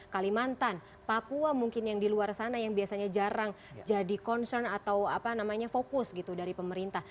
kalimantan papua mungkin yang di luar sana yang biasanya jarang jadi concern atau apa namanya fokus gitu dari pemerintah